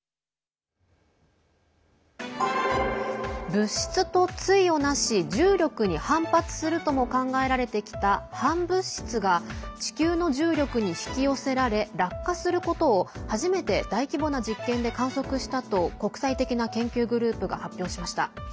物質と対をなし重力に反発するとも考えられてきた反物質が地球の重力に引き寄せられ落下することを初めて大規模な実験で観測したと国際的な研究グループが発表しました。